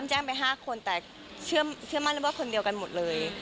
อ้ำแจ้งไปห้าคนแต่เชื่อมั่นว่าคนเดียวกันหมดเลย